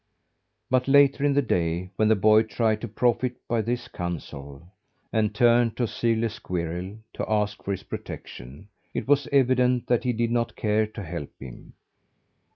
But later in the day, when the boy tried to profit by this counsel, and turned to Sirle Squirrel to ask for his protection, it was evident that he did not care to help him.